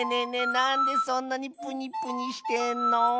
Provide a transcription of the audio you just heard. なんでそんなにプニプニしてんの？」。